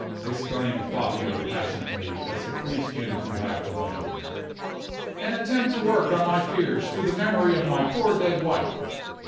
exclaimed Fabio, passionately, as the priest handed him back the letter. "An attempt to work on my fears through the memory of my poor dead wife!